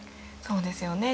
そうですよね